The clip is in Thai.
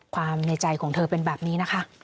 ความในใจของเธอเป็นแบบนี้